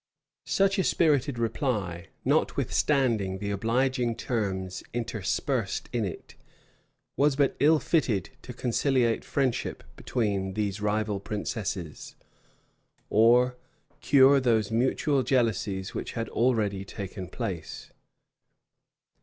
Such a spirited reply, notwithstanding the obliging terms interspersed in it, was but ill fitted to conciliate friendship between these rival princesses, or cure those mutual jealousies which had already taken place.